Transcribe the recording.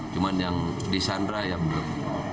cuma yang di sandra yang belum